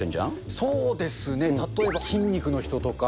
そうですね、例えば、筋肉の人とか。